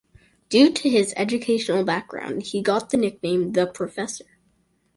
Due to his educational background, he got the nickname “The Professor”.